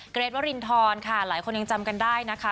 เกรทวรินทรค่ะหลายคนยังจำกันได้นะคะ